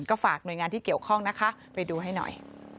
ก็ฝากหน่วยงานที่เกี่ยวข้องนะคะไปดูให้หน่อย